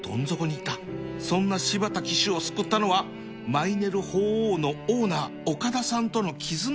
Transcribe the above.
そんな柴田騎手を救ったのはマイネルホウオウのオーナー岡田さんとの絆